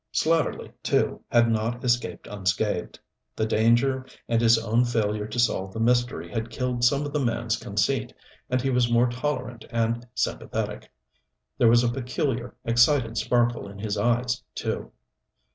Slatterly, too, had not escaped unscathed. The danger and his own failure to solve the mystery had killed some of the man's conceit, and he was more tolerant and sympathetic. There was a peculiar, excited sparkle in his eyes, too.